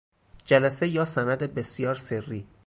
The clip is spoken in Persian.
جلسه یا سند بسیار سری